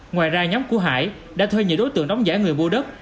ngoài ra nhóm của hải đã thuê nhiều đối tượng đóng giả người mua đất